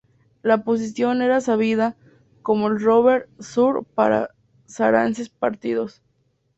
La posición era sabida como el "Rover" Sur para Saracens partidos.